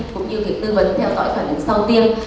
cũng như tư vấn theo dõi phản ứng sau tiêm